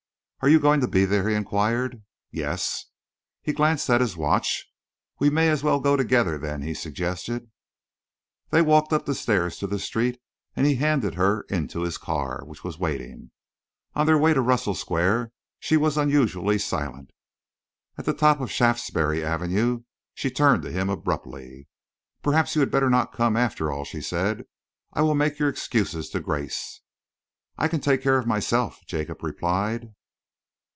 "Are you going to be there?" he enquired. "Yes!" He glanced at his watch. "We may as well go together, then," he suggested. They walked up the stairs to the street, and he handed her into his car, which was waiting. On their way to Russell Square she was unusually silent. At the top of Shaftesbury Avenue she turned to him abruptly. "Perhaps you had better not come, after all," she said. "I will make your excuses to Grace." "I can take care of myself," Jacob replied.